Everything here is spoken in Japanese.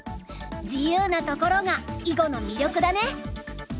自由なところが囲碁の魅力だね。